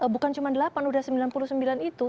bukan cuma delapan udah sembilan puluh sembilan itu